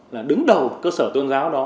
là đứng đầu cơ sở tôn giáo đó